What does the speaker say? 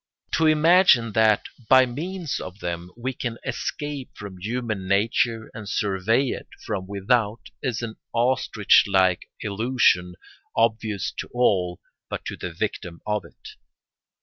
To imagine that by means of them we can escape from human nature and survey it from without is an ostrich like illusion obvious to all but to the victim of it.